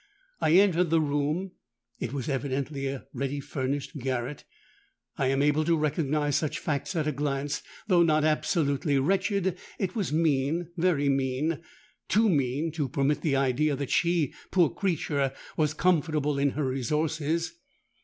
I entered the room: it was evidently a ready furnished garret. I am able to recognise such facts at a glance. Though not absolutely wretched, it was mean—very mean—too mean to permit the idea that she, poor creature! was comfortable in her resources.